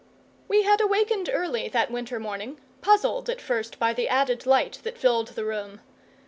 We had awakened early that winter morning, puzzled at first by the added light that filled the room.